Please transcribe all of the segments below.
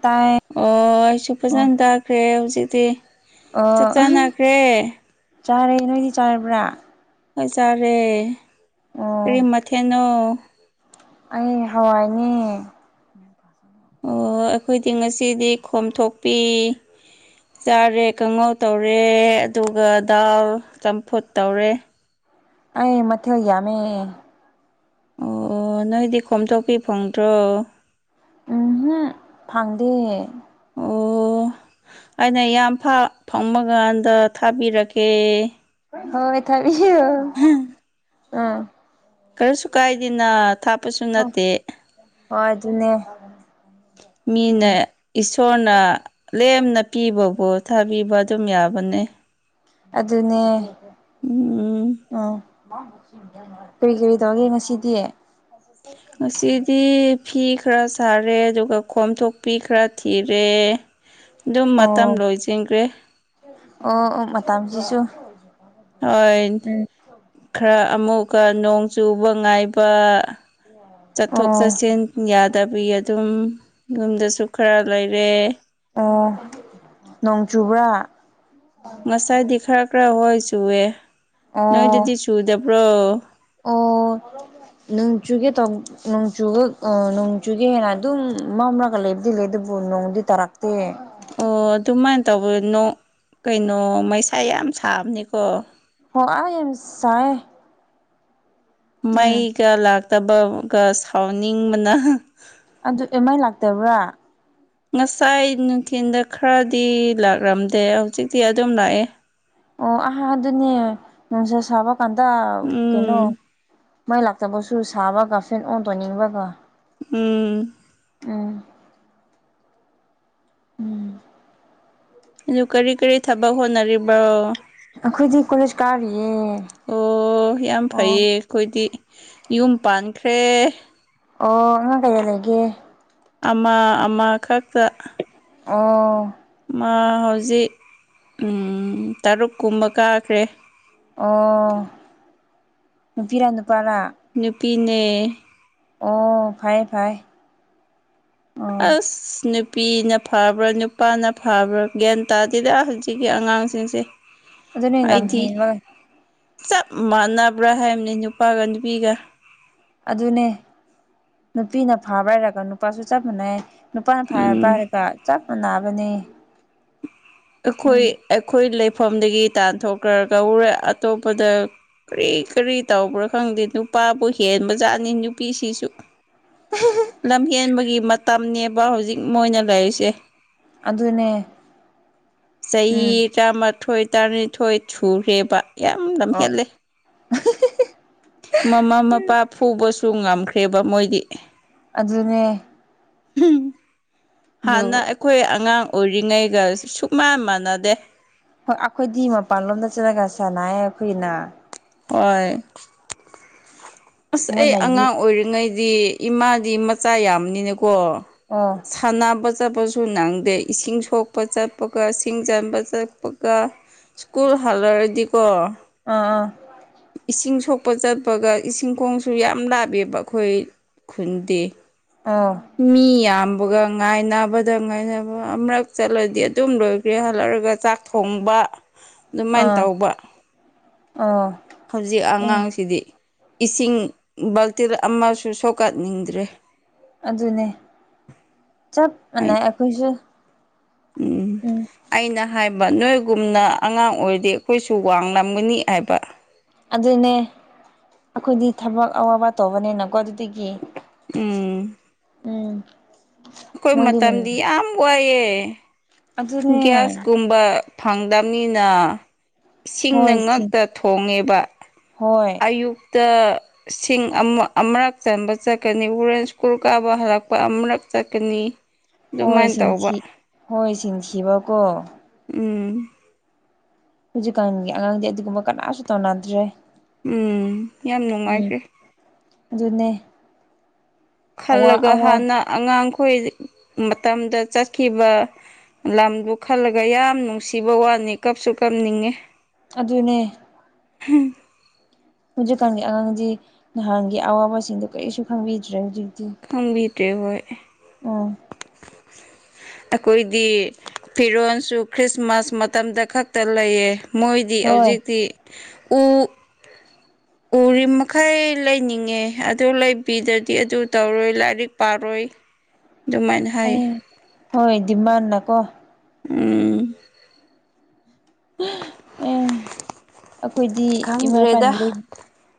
ꯇꯥꯏ ꯑꯣ ꯑꯩꯁꯨ ꯑꯣ ꯐꯖꯅ ꯇꯥꯛꯈ꯭ꯔꯦ ꯍꯧꯖꯤꯛꯇꯤ ꯆꯥꯛ ꯆꯥꯟꯅꯈ꯭ꯔꯦ ꯆꯥꯔꯦ ꯅꯣꯏꯗꯤ ꯆꯥꯔꯕ꯭ꯔꯥ ꯍꯣꯏ ꯆꯥꯔꯦ ꯀꯔꯤ ꯑꯣ ꯃꯊꯦꯟꯅꯣ ꯑꯩ ꯍꯋꯥꯏꯅꯦ ꯑꯣ ꯑꯩꯈꯣꯏꯗꯤ ꯉꯁꯤꯗꯤ ꯈꯣꯝꯊꯣꯛꯄꯤ ꯆꯥꯔꯦ ꯀꯥꯡꯉꯧ ꯇꯧꯔꯦ ꯑꯗꯨꯒ ꯗꯥꯜ ꯆꯝꯐꯨꯠ ꯇꯧꯔꯦ ꯑꯩ ꯃꯊꯦꯜ ꯌꯥꯝꯃꯦ ꯑꯣ ꯑꯣ ꯅꯣꯏꯗꯤ ꯀꯣꯝꯊꯣꯛꯄꯤ ꯐꯪꯗ꯭ꯔꯣ ꯎꯝꯍꯨꯝ ꯐꯪꯗꯦ ꯑꯣ ꯑꯩꯅ ꯌꯥꯝ ꯐꯥ ꯐꯝꯃꯀꯥꯟꯗ ꯊꯥꯕꯤꯔꯛꯀꯦ ꯍꯣꯏ ꯊꯕꯤꯌꯣ ꯑꯝ ꯀꯔꯤꯁꯨ ꯀꯥꯏꯗꯦꯅ ꯊꯥꯞꯄꯁꯨ ꯅꯠꯇꯦ ꯍꯣꯏ ꯑꯗꯨꯅꯦ ꯃꯤꯅ ꯎꯝ ꯏꯁꯣꯔꯅ ꯂꯦꯝꯅ ꯄꯤꯕꯕꯨ ꯊꯥꯕꯤꯕ ꯑꯗꯨꯝ ꯌꯥꯕꯅꯦ ꯑꯗꯨꯅꯦ ꯎꯝ ꯑꯣ ꯀꯔꯤ ꯀꯔꯤ ꯇꯧꯒꯦ ꯉꯁꯤꯗꯤ ꯉꯁꯤꯗꯤ ꯐꯤ ꯈꯔ ꯁꯥꯔꯦ ꯑꯗꯨꯒ ꯈꯣꯝꯊꯣꯛꯄꯤ ꯈꯔ ꯊꯤꯔꯦ ꯑꯗꯨꯝ ꯃꯇꯝ ꯑꯣ ꯂꯣꯏꯖꯤꯟꯒꯔꯦ ꯑꯣ ꯑꯣ ꯃꯇꯝꯁꯤꯁꯨ ꯍꯣꯏ ꯎꯝ ꯈꯔ ꯑꯃꯨꯛꯀ ꯅꯣꯡ ꯆꯨꯕ ꯉꯥꯏꯕ ꯆꯠꯊꯣꯛ ꯑꯣ ꯆꯠꯁꯤꯟ ꯌꯥꯗꯕꯤ ꯑꯗꯨꯝ ꯌꯨꯝꯗꯁꯨ ꯈꯔ ꯂꯩꯔꯦ ꯑꯣ ꯅꯣꯡ ꯆꯨꯕ꯭ꯔꯥ ꯉꯁꯥꯏꯗꯤ ꯈꯔ ꯈꯔ ꯍꯣꯏ ꯆꯨꯋꯦ ꯑꯣ ꯅꯣꯏꯗꯗꯤ ꯆꯨꯗꯕ꯭ꯔꯣ ꯑꯣ ꯅꯣꯡꯆꯨꯒꯤ ꯇꯧ ꯅꯣꯡꯆꯨꯒ ꯑꯥ ꯅꯣꯡꯆꯨꯒꯦ ꯍꯦꯟꯅ ꯑꯗꯨꯝ ꯃꯝꯔꯒ ꯂꯩꯕ ꯗꯤ ꯂꯩ ꯗꯨꯕꯨ ꯅꯣꯡꯗꯤ ꯇꯥꯔꯛꯇꯦ ꯑꯣ ꯑꯗꯨꯃꯥꯏꯅ ꯇꯧꯕ ꯅꯣꯡ ꯀꯩꯅꯣ ꯃꯩꯁꯥ ꯌꯥꯝ ꯁꯥꯕꯅꯤꯀꯣ ꯍꯣꯏ ꯑꯁꯥꯏ ꯃꯩꯒ ꯂꯥꯛꯇꯕꯒ ꯁꯥꯎꯅꯤꯡꯕꯅ ꯑꯗꯨ ꯑꯦꯝ ꯑꯥꯏ ꯂꯥꯛꯇꯕ꯭ꯔꯥ ꯉꯁꯥꯏ ꯅꯨꯡꯊꯤꯟꯗ ꯈꯔꯗꯤ ꯂꯥꯛꯂꯝꯗꯦ ꯍꯧꯖꯤꯛꯇꯤ ꯑꯗꯨꯝ ꯂꯥꯛꯑꯦ ꯑꯣ ꯑꯍꯥ ꯑꯗꯨꯅꯦ ꯅꯨꯡꯁꯥ ꯁꯥꯕ ꯀꯥꯟꯗ ꯀꯩꯅꯣ ꯎꯝ ꯃꯩ ꯂꯥꯛꯇꯕꯁꯨ ꯁꯥꯕꯒ ꯐꯦꯟ ꯑꯣꯟ ꯇꯧꯅꯤꯡꯕꯒ ꯎꯝ ꯎꯝ ꯎꯝ ꯑꯗꯨ ꯀꯔꯤ ꯀꯔꯤ ꯊꯕꯛ ꯍꯣꯠꯅꯔꯤꯕꯣ ꯑꯩꯈꯣꯏꯗꯤ ꯀꯣꯂꯦꯖ ꯀꯥꯔꯤꯌꯦ ꯑꯣ ꯌꯥꯝ ꯑꯣ ꯐꯩꯌꯦ ꯑꯩꯈꯣꯏꯗꯤ ꯌꯨꯝ ꯄꯥꯟꯈ꯭ꯔꯦ ꯑꯣ ꯑꯉꯥꯡ ꯀꯌꯥ ꯂꯩꯒꯦ ꯑꯃ ꯑꯃ ꯈꯛꯇ ꯑꯣ ꯃꯥ ꯍꯧꯖꯤꯛ ꯇꯔꯨꯛ ꯀꯨꯝꯕ ꯀꯥꯈ꯭ꯔꯦ ꯑꯣ ꯅꯨꯄꯤꯔꯥ ꯅꯨꯄꯥꯔꯥ ꯅꯨꯄꯤꯅꯦ ꯑꯣ ꯐꯥꯏ ꯐꯥꯏ ꯑꯁ ꯅꯨꯄꯤꯅ ꯐꯕ꯭ꯔꯥ ꯅꯨꯄꯥꯅ ꯐꯕ꯭ꯔꯥ ꯒ꯭ꯌꯥꯟ ꯇꯥꯗꯦꯗ ꯍꯧꯖꯤꯛ ꯁꯤꯒꯤ ꯑꯉꯥꯡꯁꯤꯡꯁꯦ ꯑꯗꯨ ꯅꯣꯏ ꯂꯝ ꯑꯩꯗꯤ ꯍꯦꯟꯕ ꯆꯞ ꯃꯥꯟꯅꯕ꯭ꯔꯥ ꯍꯥꯏꯕꯅꯤ ꯅꯨꯄꯥꯒ ꯅꯨꯄꯤꯒ ꯑꯗꯨꯅꯦ ꯅꯨꯄꯤꯅ ꯐꯥꯕ ꯍꯥꯏꯔꯒ ꯅꯨꯄꯥꯁꯨ ꯆꯞ ꯃꯥꯟꯅꯩ ꯅꯨꯄꯥꯅ ꯐꯥꯔ ꯎꯝ ꯄꯔꯒ ꯆꯞ ꯃꯥꯟꯅꯕꯅꯤ ꯑꯩꯈꯣꯏ ꯑꯩꯈꯣꯏ ꯂꯩꯐꯝꯗꯒꯤ ꯇꯥꯟꯊꯣꯛꯈ꯭ꯔ ꯀꯔꯦ ꯑꯇꯣꯞꯄꯗ ꯀꯔꯤ ꯀꯔꯤ ꯇꯧꯕ꯭ꯔꯥ ꯈꯪꯗꯦ ꯅꯨꯄꯥꯕꯨ ꯍꯦꯟꯕꯖꯥꯠꯅꯤ ꯅꯨꯄꯤꯁꯤꯁꯨ ꯎ ꯂꯝꯍꯦꯟꯕꯒꯤ ꯃꯇꯝꯅꯦꯕ ꯍꯧꯖꯤꯛ ꯃꯣꯏꯅ ꯂꯩꯔꯤꯁꯦ ꯑꯗꯨꯅꯦ ꯆꯍꯤ ꯎꯝ ꯇꯔꯥꯃꯥꯊꯣꯏ ꯇꯔꯥꯅꯤꯊꯣꯏ ꯁꯨꯔꯦꯕ ꯌꯥꯝ ꯑꯣ ꯂꯝꯍꯦꯜꯂꯦ ꯃꯃꯥ ꯃꯄꯥ ꯐꯨꯕꯁꯨ ꯉꯝꯈ꯭ꯔꯦꯕ ꯃꯣꯏꯗꯤ ꯑꯗꯨꯅꯦ ꯑꯗꯨ ꯍꯥꯟꯅ ꯑꯩ ꯑꯩꯈꯣꯏ ꯑꯉꯥꯡ ꯑꯣꯏꯔꯤꯉꯩꯒ ꯁꯨꯛ ꯃꯥꯟ ꯃꯥꯟꯅꯗꯦ ꯍ ꯑꯩꯈꯣꯏꯗꯤ ꯃꯄꯥꯟꯂꯣꯝꯗ ꯆꯠꯂꯒ ꯁꯥꯟꯅꯌꯦ ꯑꯩꯈꯣꯏꯅ ꯍꯣꯏ ꯑꯁ ꯑꯩ ꯃꯣꯏꯅ ꯌꯨ ꯑꯉꯥꯡ ꯑꯣꯏꯔꯤꯉꯩꯗꯤ ꯏꯃꯥꯗꯤ ꯃꯆꯥ ꯌꯥꯝꯅꯤꯅꯀꯣ ꯑꯣ ꯁꯥꯟꯅꯕ ꯆꯠꯄꯁꯨ ꯅꯪꯗꯦ ꯏꯁꯤꯡ ꯁꯣꯛꯄ ꯆꯠꯄꯒ ꯁꯤꯡ ꯆꯟꯕ ꯆꯠꯄꯒ ꯁ꯭ꯀꯨꯨꯔ ꯍꯜꯔꯗꯤ ꯀꯣ ꯑꯥ ꯑꯥ ꯏꯁꯤꯡ ꯁꯣꯛꯄ ꯆꯠꯄꯒ ꯏꯁꯤꯡꯈꯣꯡꯁꯨ ꯌꯥꯝ ꯂꯥꯞꯄꯕ ꯑꯩꯈꯣꯏ ꯈꯨꯟꯗꯤ ꯑꯥ ꯃꯤ ꯌꯥꯝꯕꯒ ꯉꯥꯏꯅꯕꯗ ꯉꯥꯏꯅꯕ ꯑꯃꯨꯔꯛ ꯆꯠꯂꯗꯤ ꯑꯗꯨꯝ ꯂꯣꯏꯈ꯭ꯔꯦ ꯍꯜꯂꯔꯒ ꯆꯥꯛ ꯊꯣꯡꯕ ꯑꯗꯨꯃꯥꯏꯅ ꯇꯧꯕ ꯑꯥ ꯍꯧꯖꯤꯛ ꯑꯦ ꯑꯉꯥꯡꯁꯤꯗꯤ ꯏꯁꯤꯡ ꯕꯥꯜꯇꯤꯟ ꯑꯃꯁꯨ ꯁꯣꯛꯀꯠꯅꯤꯡꯗ꯭ꯔꯦ ꯑꯗꯨꯅꯦ ꯆꯞ ꯍꯥꯏ ꯃꯥꯟꯅꯩ ꯑꯩꯈꯣꯏꯁꯨ ꯎꯝ ꯑꯩꯅ ꯍꯥꯏꯕ ꯅꯣꯏꯒꯨꯝꯅ ꯑꯉꯥꯡ ꯑꯣꯏꯔꯗꯤ ꯑꯩꯈꯣꯏꯁꯨ ꯋꯥꯡꯂꯝꯒꯅꯤ ꯍꯥꯏꯕ ꯑꯗꯨꯅꯦ ꯑꯩꯈꯣꯏꯗꯤ ꯊꯕꯛ ꯑꯋꯥꯕ ꯇꯧꯕꯅꯤꯅꯀꯣ ꯑꯗꯨꯗꯒꯤ ꯎꯝ ꯎꯝ ꯑꯩꯈꯣꯏ ꯃꯣꯏꯗꯤ ꯃꯇꯝꯗꯤ ꯌꯥꯝ ꯋꯥꯏꯌꯦ ꯑꯗꯨꯅꯦ ꯒ꯭ꯌꯥꯁꯀꯨꯝꯕ ꯐꯪꯗꯝꯕꯅꯤꯅ ꯏꯁꯤꯡꯅ ꯍꯣꯏ ꯁꯤ ꯉꯛꯇ ꯊꯣꯡꯉꯦꯕ ꯍꯣꯏ ꯑꯌꯨꯛꯇ ꯁꯤꯡ ꯑꯃ ꯑꯃꯨꯔꯛ ꯆꯟꯕ ꯆꯠꯀꯅꯤ ꯍꯣꯔꯦꯟ ꯁ꯭ꯀꯨꯜ ꯀꯥꯕ ꯍꯜꯂꯛꯄ ꯑꯃꯨꯔꯛ ꯆꯠꯀꯅꯤ ꯑꯗꯨꯃꯥꯏꯅ ꯍꯣꯏ ꯟ ꯇꯧꯕ ꯍꯣꯏ ꯟꯈꯤꯕꯀꯣ ꯎꯝ ꯍꯧꯖꯤꯛꯀꯥꯟꯒꯤ ꯑꯉꯥꯡꯗꯤ ꯑꯗꯨꯒꯨꯝꯕ ꯀꯅꯥꯁꯨ ꯇꯧꯅꯗ꯭ꯔꯦ꯫ ꯎꯝ ꯌꯥꯝ ꯎꯝ ꯅꯨꯡꯉꯥꯏꯈ꯭ꯔꯦ꯫ ꯑꯗꯨꯅꯦ꯫ ꯑꯋꯥ ꯈꯜꯂꯒ ꯑꯋꯥ ꯍꯥꯟꯅ ꯑꯉꯥꯡꯈꯣꯏ ꯃꯇꯝꯗ ꯆꯠꯈꯤꯕ꯫ ꯂꯝꯗꯨ ꯈꯜꯂꯒ ꯌꯥꯝ ꯅꯨꯡꯁꯤꯕ ꯋꯥꯅꯤ ꯀꯞꯁꯨ ꯀꯞꯅꯤꯡꯉꯦ꯫ ꯑꯗꯨꯅꯦ ꯎꯝ ꯍꯧꯖꯤꯛꯀꯥꯟꯒꯤ ꯑꯉꯥꯡꯗꯤ ꯅꯍꯥꯟꯒꯤ ꯑꯋꯥꯕꯁꯤꯡꯗꯨꯣ ꯀꯔꯤꯁꯨ ꯈꯪꯕꯤꯗ꯭ꯔꯦ ꯍꯧꯖꯤꯛꯇꯤ꯫ ꯐꯪꯕꯤꯗ꯭ꯔꯦ ꯍꯣꯏ꯫ ꯑꯎ [unintelligible] ꯑꯩꯈꯣꯏꯗꯤ ꯐꯤꯔꯣꯟꯜꯁꯨ ꯈ꯭ꯔꯤꯁꯃꯥꯁ ꯃꯇꯝꯗ ꯈꯛꯇ ꯂꯩꯌꯦ꯫ ꯃꯣꯏꯗꯤ ꯍꯣꯏ ꯍꯧꯖꯤꯛꯇꯤ ꯎ ꯎꯔꯤ ꯃꯈꯩ ꯂꯩꯅꯤꯡꯉꯦ ꯑꯗꯨ ꯂꯩꯕꯤꯗ꯭ꯔꯗꯤ ꯑꯗꯨ ꯇꯧꯔꯣꯏ ꯂꯥꯏꯔꯤꯛ ꯄꯥꯔꯣꯏ꯫ ꯑꯗꯨꯃꯥꯏꯅ ꯍꯥꯏ ꯑꯦ ꯍꯣꯏ ꯗꯤꯃꯥꯟꯅ ꯀꯣ꯫ ꯎꯝ꯫ ꯑꯦ ꯑꯩꯈꯣꯏꯗꯤ ꯏꯃꯥꯄꯥꯥꯟ ꯈꯪꯗ꯭ꯔꯦꯗ ꯂꯩ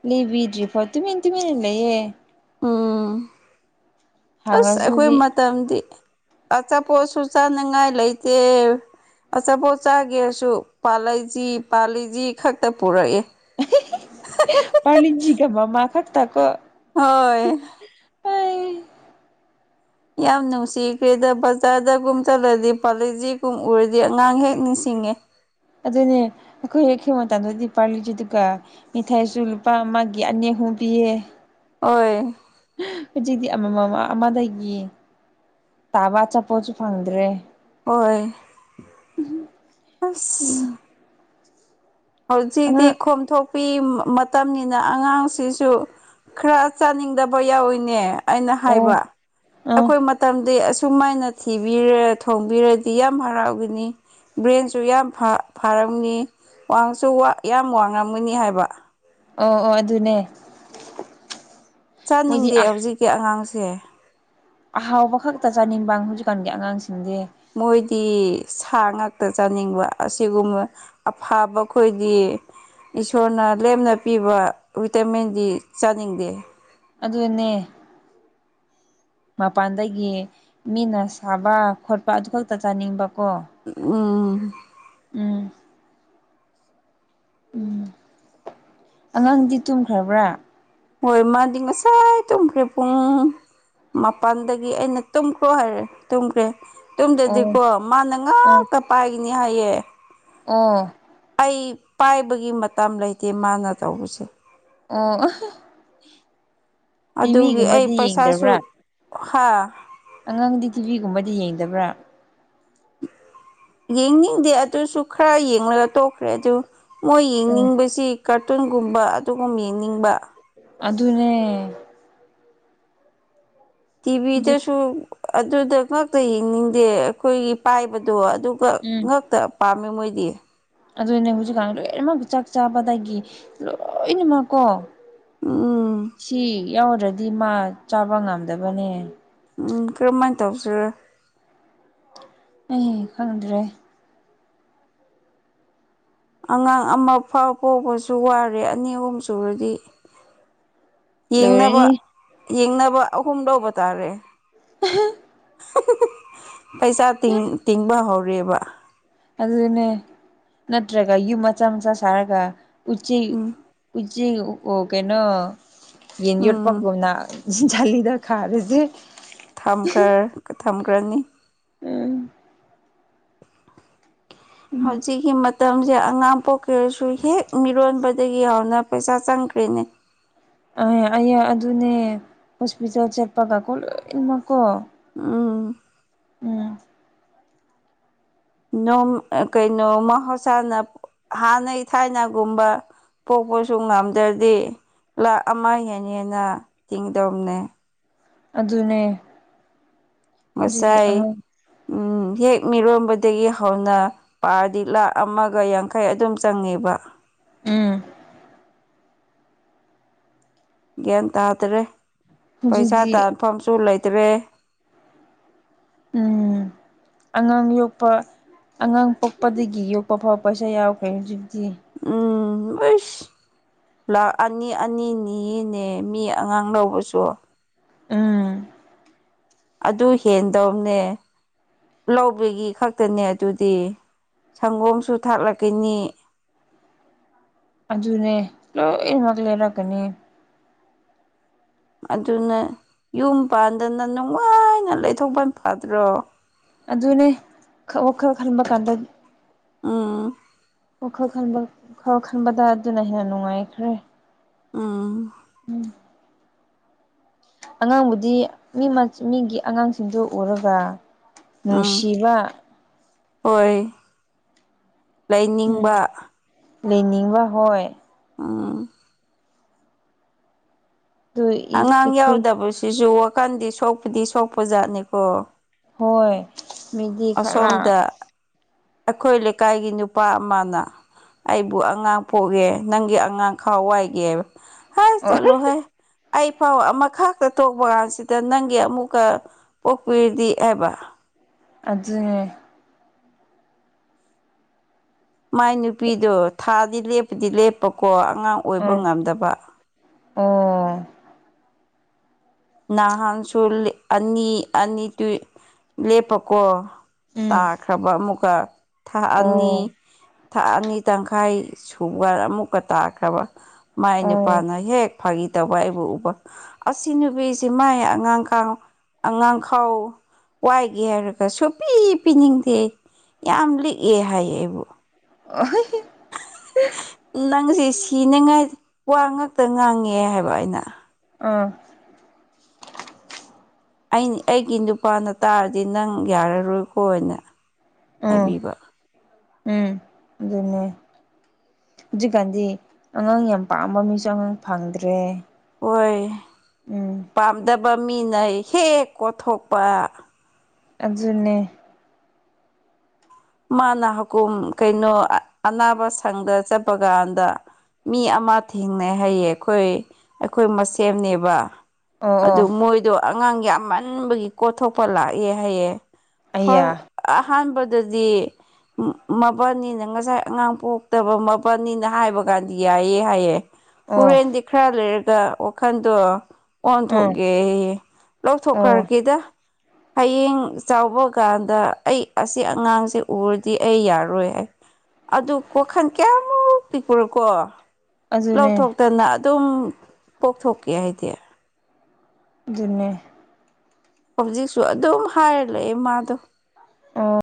ꯂꯩꯕꯤꯗ꯭ꯔꯤ ꯐꯣ ꯇꯨꯃꯤꯦꯟ ꯇꯨꯃꯤꯟꯅ ꯂꯩꯌꯦ꯫ ꯎꯝ ꯑꯁ ꯍꯥꯡꯉꯁꯨ ꯑꯩꯈꯣꯏ ꯃꯇꯝꯗꯤ꯫ ꯑꯆꯥ ꯄꯣꯁꯨ ꯆꯥꯅꯤꯉꯥꯏ ꯂꯩꯇꯦ꯫ ꯑꯆꯥꯄꯣꯠ ꯆꯥꯒꯦꯔꯁꯨ ꯄꯥꯜꯂꯤ ꯖꯤ ꯄꯥꯜꯂꯤ ꯖꯤ ꯈꯛꯇ ꯄꯨꯔꯛꯑꯦ꯫ ꯄꯔꯂꯤꯖꯒ ꯃ ꯃꯥ ꯐꯛꯇꯀꯣ ꯍꯣꯏ꯫ ꯌꯥꯝ ꯅꯨꯡꯁꯤꯈ꯭ꯔꯦꯗ ꯕꯖꯥꯔꯗꯒꯨꯝ ꯆꯠꯂꯗꯤ ꯄꯥꯂꯩꯁꯤꯒꯨꯝ ꯎꯔꯗꯤ ꯑꯉꯥꯡ ꯍꯦꯛ ꯅꯤꯡꯁꯤꯡꯉꯦ ꯑꯗꯨꯅꯦ ꯑꯩꯈꯣꯏ ꯍꯦꯛꯈꯕꯥꯟꯗꯗꯤ ꯄꯥꯜꯂꯤꯁꯤꯗꯨꯒ ꯃꯤꯊꯥꯏꯁꯨ ꯂꯨꯄꯥ ꯑꯃꯒꯤ ꯑꯅꯦꯛꯍꯨ ꯄꯤꯌꯦ ꯑꯣꯏ꯫ ꯍꯧꯖꯤꯛꯇꯤ ꯑꯃ ꯑꯃꯗꯒꯤ ꯇꯥꯕ ꯑꯆꯥꯄꯣꯠꯁꯨ ꯐꯪꯗ꯭ꯔꯦ꯫ ꯍꯣꯏ ꯑꯁ ꯑꯉꯥꯡ ꯍꯧꯖꯤꯗꯤꯈꯣꯝꯊꯣ ꯅꯨꯄꯤ ꯃꯇꯝꯅꯤꯅ ꯑꯉꯥꯡꯁꯤꯁꯨ ꯈꯔ ꯆꯥꯅꯤꯡꯗꯕ ꯌꯥꯎꯋꯤꯅꯦ ꯑꯩꯅ ꯑꯣ ꯍꯥꯏꯕ ꯑꯥ ꯑꯩꯈꯣꯏ ꯃꯇꯝꯗꯤ ꯑꯁꯨꯨꯝꯃꯥꯏꯅ ꯊꯤꯕꯤꯔ ꯊꯣꯡꯕꯤꯔꯗꯤ ꯌꯥꯝ ꯍꯔꯥꯎꯒꯅꯤ꯫ ꯕ꯭ꯔꯦꯟꯁꯨ ꯌꯥꯝ ꯐꯔꯝꯅꯤ꯫ ꯋꯥꯡꯁꯨ ꯋꯥ ꯌꯥꯝ ꯋꯥꯡꯉꯝꯒꯅꯤ ꯍꯥꯏꯕ꯫ ꯑꯣ ꯑꯣ ꯑꯗꯨꯅꯦ꯫ ꯃꯣꯏꯗꯤ ꯆꯥꯅꯤꯡꯗꯦ ꯑ ꯍꯧꯖꯤꯛꯀꯤ ꯑꯉꯥꯡꯁꯦ꯫ ꯑꯍꯥꯎꯕ ꯈꯛꯇ ꯆꯥꯅꯤꯡꯕ ꯍꯧꯖꯤꯛꯀꯥꯟꯒꯤ ꯑꯉꯥꯡꯁꯤꯡꯗꯤ꯫ ꯃꯣꯏꯗꯤ ꯁꯥ ꯉꯥꯛꯇ ꯆꯥꯅꯤꯡꯕ ꯑꯁꯤꯒꯨꯝꯕ ꯑꯐꯥꯕ ꯈꯣꯏꯗꯤ꯫ ꯏꯁꯣꯔꯅ ꯂꯦꯝꯅ ꯄꯤꯕ ꯕꯤꯇꯥꯃꯤꯟꯗꯤ ꯆꯥꯅꯤꯡꯗꯦ ꯑꯗꯨꯅꯦ ꯃꯄꯥꯟꯗꯒꯤ꯫ ꯃꯤꯅ ꯁꯥꯕ ꯈꯣꯠꯄ ꯑꯗꯨ ꯈꯛꯇ ꯆꯥꯅꯤꯡꯕ ꯀꯣ꯫ ꯎꯝ꯫ ꯎꯝ꯫ ꯎꯝ ꯑꯉꯥꯡꯗꯤ ꯇꯨꯝꯈ꯭ꯔꯕ꯭ꯔꯥ꯫ ꯍꯣꯏ ꯃꯥꯗꯤ ꯉꯁꯥꯏ ꯇꯨꯝꯈ꯭ꯔꯦ ꯄꯨꯡ ꯃꯄꯟꯗꯒꯤ ꯑꯩꯅ ꯇꯨꯝꯈ꯭ꯔꯣ ꯍꯥꯏꯔꯦ ꯇꯨꯝꯈ꯭ꯔꯦ ꯑꯣ ꯌꯨꯝꯗꯗꯤꯀꯣ ꯃꯥꯅ ꯑꯣ ꯉꯥꯛꯇ ꯄꯥꯏꯒꯅꯤ ꯍꯥꯏꯌꯦ ꯑꯣ ꯑꯩ ꯄꯥꯏꯕꯒꯤ ꯃꯇꯝ ꯂꯩꯇꯦ ꯃꯥꯅ ꯇꯧꯕꯁꯦ ꯑꯣ [unintelligible] ꯑꯗꯨꯒꯤ ꯑꯩ ꯇꯤꯚꯤꯒꯨꯝꯕꯗꯤ ꯄꯩꯁꯥꯁꯨ ꯌꯦꯡꯗꯕ꯭ꯔꯥ ꯍꯥꯥ ꯑꯉꯥꯡꯗꯤ ꯇꯤꯚꯤꯒꯨꯝꯕꯗꯤ ꯌꯦꯡꯗꯕ꯭ꯔꯥ ꯌꯦꯡꯅꯤꯡꯗꯦ ꯑꯗꯨꯁꯨ ꯈꯔ ꯌꯦꯡꯂꯒ ꯇꯣꯛꯈ꯭ꯔꯦ ꯑꯗꯨ ꯃꯣꯏ ꯎꯝ ꯌꯦꯡꯅꯤꯡꯕꯁꯤ ꯀꯥꯔꯇꯨꯟꯒꯨꯝꯕ ꯑꯗꯨꯒꯨꯝ ꯌꯦꯡꯅꯤꯡꯕ ꯑꯗꯨꯅꯦ ꯍꯧꯖꯤꯛ ꯇꯤꯚꯤꯗꯁꯨ ꯑꯗꯨꯗ ꯉꯛꯇ ꯌꯦꯡꯅꯤꯡꯗꯦ ꯑꯩꯈꯣꯏꯒꯤ ꯄꯥꯏꯕꯗꯣ ꯑꯗꯨ ꯄꯛ ꯎꯝ ꯉꯥꯛꯇ ꯄꯥꯝꯃꯦ ꯃꯣꯏꯗꯤ ꯑꯗꯨꯅꯦ ꯍꯧꯖꯤꯛꯀꯥꯟ ꯂꯣꯏꯅꯃꯛ ꯆꯥꯛ ꯆꯥꯕꯗꯒꯤ ꯂꯣꯏꯅꯃꯛꯀꯣ ꯎꯝ ꯁꯤ ꯌꯥꯎꯗ꯭ꯔꯗꯤ ꯃꯥ ꯆꯥꯕ ꯉꯝꯗꯕꯅꯦ ꯎꯝ ꯀꯔꯝꯃꯥꯏ ꯇꯧꯁꯤꯔꯥ ꯑꯩ ꯈꯪꯗ꯭ꯔꯦ ꯑꯉꯥꯡ ꯑꯃꯐꯥꯎ ꯄꯣꯛꯕꯁꯨ ꯋꯥꯔꯦ ꯑꯅꯤ ꯑꯍꯨꯝ ꯁꯨꯔꯗꯤ ꯌꯦꯡꯅꯕ ꯂꯣꯏꯔꯅꯤ ꯌꯦꯡꯅꯕ ꯑꯍꯨꯝ ꯂꯧꯕ ꯇꯥꯔꯦ [unintelligible] [unintelligible] ꯄꯩꯁꯥ ꯇꯤꯡ ꯇꯤꯡꯕ ꯍꯧꯔꯦꯕ ꯑꯗꯨꯅꯦ ꯅꯠꯇ꯭ꯔꯒ ꯌꯨꯝ ꯃꯆꯥ ꯃꯆꯥ ꯁꯥꯔꯒ ꯎꯆꯤ ꯎꯝ ꯎꯆꯤ ꯑꯣ ꯀꯩꯅꯣ ꯌꯦꯟ ꯎꯝ ꯌꯣꯠꯄꯒꯨꯝꯅ ꯖꯥꯂꯤꯗ ꯈꯥꯔꯖꯦ ꯊꯝꯈ꯭ꯔ ꯊꯝꯈ꯭ꯔꯅꯤ ꯎꯝ ꯍꯧꯖꯤꯛꯀꯤ ꯃꯠ ꯃꯇꯝꯁꯦ ꯑꯉꯥꯡ ꯄꯣꯛꯀ꯭ꯔꯦꯁꯨ ꯍꯦꯛ ꯃꯤꯔꯣꯟꯕꯗꯒꯤ ꯍꯧꯅ ꯄꯩꯁꯥ ꯆꯪꯈ꯭ꯔꯦꯅꯦ ꯑꯩ ꯑꯩꯌꯥ ꯑꯗꯨꯅꯦ ꯍꯣꯁꯄꯤꯇꯥꯜ ꯆꯠꯄꯒꯀꯣ ꯂꯣꯏꯅꯃꯛꯀꯣ ꯎꯝ ꯎꯝ ꯅꯣꯝ ꯑ ꯀꯩꯅꯣ ꯃꯍꯧꯁꯥꯅ ꯍꯥꯟꯅꯒꯤ ꯊꯥꯏꯅꯒꯨꯝꯕ ꯄꯣꯛꯄꯁꯨ ꯉꯝꯗ꯭ꯔꯗꯤ ꯂꯥꯛ ꯑꯃ ꯍꯦꯟ ꯍꯦꯟꯅ ꯇꯤꯡꯗꯧꯕꯅꯦ ꯑꯗꯨꯅꯦ ꯑꯗꯨꯗꯤ ꯉꯁꯥꯏ ꯑꯉꯥꯡ ꯎꯝ ꯍꯦꯛ ꯃꯤꯔꯣꯟꯕꯗꯒꯤ ꯍꯧꯅ ꯄꯥꯔꯗꯤ ꯂꯥꯛ ꯑꯃꯒ ꯌꯥꯡꯈꯩ ꯑꯗꯨꯝ ꯆꯪꯉꯦꯕ ꯎꯝ ꯒ꯭ꯌꯥꯟ ꯇꯥꯗꯔꯦ ꯄꯩꯁꯥ ꯍꯧꯖꯤꯛꯇꯤ ꯇꯥꯟꯐꯝꯁꯨ ꯂꯩꯇꯔꯦ ꯎꯝ [inaudible] ꯑꯉꯥꯡ ꯌꯣꯛꯄ ꯑꯉꯥꯡ ꯄꯣꯛꯄꯗꯒꯤ ꯌꯣꯛꯄꯐꯥꯎ ꯄꯩꯁꯥ ꯌꯥꯎꯈ꯭ꯔꯦ ꯍꯧꯖꯤꯛꯇꯤ ꯎꯝ ꯍꯩꯁ ꯂꯥꯛ ꯑꯅꯤ ꯑꯅꯤ ꯅꯤꯌꯦꯅꯦ ꯃꯤ ꯑꯉꯥꯡ ꯂꯧꯕꯁꯨ ꯎꯝ ꯑꯗꯨ ꯍꯦꯟꯗꯧꯕꯅꯦ ꯂꯧꯕꯒꯤ ꯈꯛꯇꯅꯦ ꯑꯗꯨꯗꯤ ꯁꯪꯒꯣꯝꯁꯨ ꯊꯥꯛꯂꯛꯀꯅꯤ ꯑꯗꯨꯅꯦ ꯂꯣꯏꯅꯃꯛ ꯂꯩꯔꯛꯒꯅꯤ ꯑꯗꯨꯅ ꯌꯨꯝ ꯄꯥꯟꯗꯅ ꯅꯨꯡꯉꯥꯏꯅ ꯂꯩꯊꯣꯛꯄ ꯐꯗ꯭ꯔꯣ ꯑꯗꯨꯅꯦ ꯋꯥꯈꯟ ꯈꯟꯕ ꯀꯥꯟꯗ ꯑꯝ ꯋꯥꯈꯜ ꯈꯟꯕ ꯈꯔ ꯈꯟꯕꯗ ꯑꯗꯨꯅ ꯍꯦꯟꯅ ꯅꯨꯡꯉꯥꯏꯈ꯭ꯔꯦ ꯑꯝ ꯎꯝ ꯑꯉꯥꯡꯕꯨꯗꯤ ꯃꯤ ꯃꯤꯒꯤ ꯑꯉꯥꯡꯁꯤꯡꯗꯨ ꯎꯔꯒ ꯎꯝ ꯅꯨꯡꯁꯤꯕ ꯍꯣꯏ ꯎꯝ ꯂꯥꯏꯅꯤꯡꯕ ꯂꯩꯅꯤꯡꯕ ꯍꯣꯏ ꯑꯥ ꯑꯗꯨ ꯑꯉꯥꯡ ꯑꯩꯈꯣꯏ ꯌꯥꯎꯗꯕꯁꯤꯁꯨ ꯋꯥꯀꯟꯗꯤ ꯁꯣꯛꯄꯗꯤ ꯁꯣꯛꯄꯖꯥꯠꯅꯤꯀꯣ ꯍꯣꯏ ꯃꯤꯗꯤ ꯈꯔ ꯑꯁꯣꯝꯗ ꯑꯩꯈꯣꯏ ꯂꯩꯀꯥꯏꯒꯤ ꯅꯨꯄꯥ ꯑꯃꯅ ꯑꯩꯕꯨ ꯑꯉꯥꯡ ꯄꯣꯛꯒꯦ ꯅꯪꯒꯤ ꯑꯉꯥꯡ ꯈꯔ ꯋꯥꯏꯒꯦꯕ ꯍꯥꯏ ꯑꯣ ꯆꯠꯂꯣ ꯍꯥꯏꯣꯏ ꯑꯩ ꯐꯥꯎ ꯑꯃꯈꯥꯛꯛꯇ ꯇꯣꯛꯄ ꯀꯥꯟꯁꯤꯗ ꯅꯪꯒꯤ ꯑꯃꯨꯛꯀ ꯄꯣꯛꯄꯤꯔꯗꯤ ꯍꯥꯏꯕ ꯑꯗꯨꯗ ꯃꯥꯏ ꯅꯨꯄꯤꯗꯣ ꯊꯥꯗꯤ ꯂꯦꯞꯄꯨꯗꯤ ꯂꯦꯞꯄꯀꯣ ꯑꯉꯥꯡ ꯑꯣꯏꯕ ꯑꯣ ꯉꯝꯗꯕ ꯑꯣ ꯅꯍꯥꯟꯁꯨ ꯑꯅꯤ ꯑꯅꯤ ꯇꯨ ꯂꯦꯞꯄꯀꯣ ꯎꯝ ꯇꯥꯈ꯭ꯔꯕ ꯑꯃꯨꯛꯀ ꯊꯥꯑꯅꯤ ꯑꯣ ꯊꯥ ꯑꯅꯤ ꯇꯪꯈꯥꯏ ꯁꯨꯕ ꯑꯃꯨꯛꯀ ꯇꯥꯈ꯭ꯔꯕ ꯃꯥꯏ ꯑꯣ ꯅꯨꯄꯥꯅ ꯍꯦꯛ ꯐꯥꯒꯤ ꯇꯧꯕ ꯑꯩꯕꯨ ꯎꯕ ꯑꯁꯤ ꯅꯨꯄꯤ ꯁꯤ ꯃꯥꯏ ꯑꯉꯥꯡꯥꯎ ꯑꯉꯥꯡ ꯈꯥꯎ ꯋꯥꯏꯒꯦ ꯍꯥꯏꯔꯒ ꯁꯣꯄꯤ ꯄꯤꯅꯤꯡꯗꯦ ꯌꯥꯝ ꯂꯤꯛꯑꯦ ꯍꯥꯏꯌꯦ ꯑꯩꯕꯨ ꯑꯍ ꯍ ꯅꯪꯁ ꯁꯤꯅꯤꯉꯥꯏ ꯋꯥ ꯉꯇ ꯉꯥꯡꯉꯦ ꯍꯥꯏꯕ ꯑꯩꯅ ꯑꯥ ꯑꯩ ꯑꯩꯒꯤ ꯅꯨꯄꯥꯅ ꯇꯥꯔꯗꯤ ꯅꯪ ꯌꯥꯔꯔꯣꯏꯀꯣꯅ ꯎꯝ ꯍꯥꯏꯕꯤꯕ ꯎꯝ ꯑꯗꯨꯅꯦ ꯍꯧꯖꯤꯛꯀꯥꯟꯗꯤ ꯑꯉꯥꯡ ꯌꯥꯝ ꯄꯥꯝꯕ ꯃꯤꯁꯨ ꯑꯉꯥꯡ ꯐꯪꯗ꯭ꯔꯦ ꯍꯣꯏ ꯎꯝ ꯄꯥꯝꯗꯕ ꯃꯤꯅꯩ ꯍꯦꯛ ꯀꯣꯊꯣꯛꯄ ꯑꯗꯨꯅꯦ ꯃꯥꯅ ꯍꯀꯝ ꯀꯩꯅꯣ ꯑꯅꯥꯕ ꯁꯪꯗ ꯆꯠꯄ ꯀꯥꯟꯗ ꯃꯤ ꯑꯃ ꯊꯦꯡꯅꯩ ꯍꯥꯏꯌꯦ ꯑꯩꯈꯣꯏ ꯑꯩꯈꯣꯏ ꯃꯁꯦꯝꯅꯦꯕ ꯑꯣ ꯑꯣ ꯑꯗꯨ ꯃꯣꯏꯗꯣ ꯑꯉꯥꯡꯒꯤ ꯑꯃꯃꯟꯕꯒꯤ ꯀꯣꯊꯣꯛꯄ ꯂꯥꯛꯑꯦ ꯍꯥꯏꯌꯦꯦ ꯐ ꯑꯌꯥ ꯑꯍꯥꯟꯕꯗꯗꯤ ꯃꯕꯥꯜꯅꯤꯅ ꯉꯁꯥꯏ ꯑꯉꯥꯡ ꯄꯣꯛꯇꯕ ꯃꯄꯜꯅꯤꯅ ꯍꯥꯏꯕ ꯀꯥꯟꯗꯤ ꯌꯥꯏꯑ ꯍꯥꯏꯌꯦ ꯑꯣ ꯍꯣꯔꯦꯟꯗꯤ ꯈꯔ ꯂꯩꯔꯒ ꯋꯥꯈꯟꯗꯣ ꯎꯝ ꯑꯣꯟꯊꯣꯛꯀꯦ ꯑꯣ ꯂꯧꯊꯣꯛꯈ꯭ꯔꯀꯦꯗ ꯍꯌꯦꯡ ꯆꯥꯎꯕ ꯀꯥꯟꯗ ꯑꯩ ꯑꯁꯤ ꯑꯉꯥꯡꯁꯦ ꯎꯔꯗꯤ ꯑꯩ ꯌꯥꯔꯣꯏ ꯍꯥꯏ ꯑꯗꯨ ꯀꯈꯟ ꯀꯌꯥꯃꯨꯛ ꯄꯤꯛꯄꯨꯔꯣꯀꯣ ꯑꯗꯨꯅꯦ ꯂꯧꯊꯣꯛꯇꯅ ꯑꯗꯨꯝ ꯄꯣꯛꯊꯣꯛꯀꯦ ꯍꯥꯏꯗꯤ ꯑꯗꯨꯟꯅꯅꯦ ꯍꯧꯖꯤꯛꯁꯨ ꯑꯗꯨꯝ ꯍꯥꯏꯔ ꯂꯩꯑꯦ ꯃꯥꯗꯣ ꯑ